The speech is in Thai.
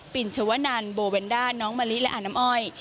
ินชวนันโบเวนด้าน้องมะลิและอาน้ำอ้อย